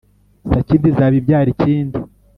Sakindi izaba ibyara ikindi.